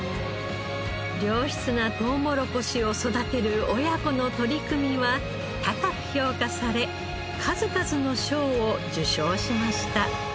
良質なトウモロコシを育てる親子の取り組みは高く評価され数々の賞を受賞しました。